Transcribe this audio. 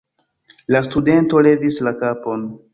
La studento levis la kapon.